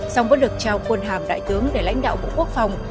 song vẫn được trao quân hàm đại tướng để lãnh đạo bộ quốc phòng